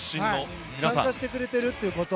参加してくれているということ。